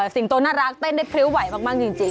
สิงโตน่ารักเต้นได้พริ้วไหวมากจริง